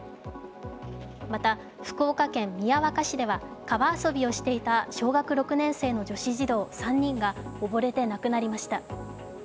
また、福岡県宮若市では川遊びをしていた小学６年生の女子児童３人が溺れて亡くなりました。